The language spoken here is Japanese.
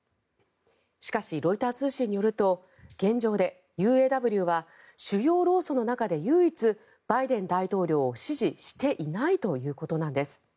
しかし、ロイター通信によると現状でＵＡＷは主要労組の中で唯一バイデン大統領を支持していないということなんです。